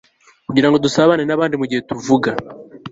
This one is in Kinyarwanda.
kugirango dusabane nabandi mugihe tuvuga